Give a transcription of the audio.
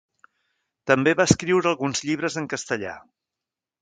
També va escriure alguns llibres en castellà.